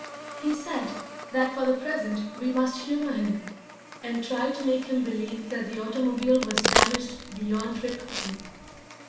He said that for the present we must humour him, and try to make him believe that the automobile was damaged beyond recovery.